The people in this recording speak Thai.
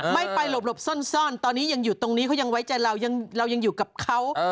ไม่ไปหลบซ่อนตอนนี้ยังอยู่ตรงนี้เขายังไว้ใจเราเรายังอยู่กับเขา